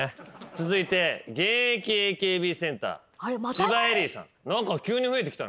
続いて現役ＡＫＢセンター千葉恵里さん。